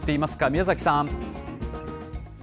宮崎さん。